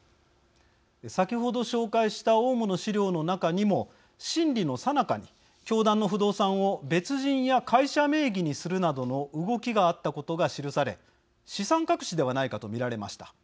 先ほど紹介したオウムの資料の中にも審理のさなかに教団の不動産を別人や会社名義にするなどの動きがあったことが記され資産隠しではないかと見られました。